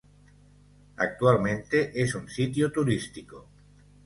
Actualmente es un sitio turístico.